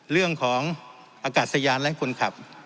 เรื่องของอากาศยานและคนขับ